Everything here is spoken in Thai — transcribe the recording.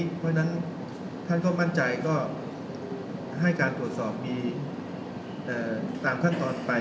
เพราะฉะนั้นท่านก็มั่นใจก็ให้การตรวจสอบมีตามขั้นตอนไป